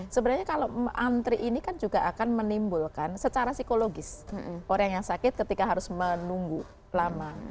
sebenarnya kalau antri ini kan juga akan menimbulkan secara psikologis orang yang sakit ketika harus menunggu lama